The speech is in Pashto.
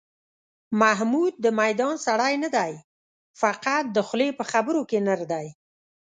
محمود د میدان سړی نه دی، فقط د خولې په خبرو کې نر دی.